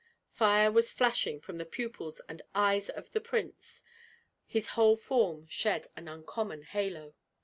Fire was flashing from the pupils and eyes of the prince; his whole form shed an uncommon halo.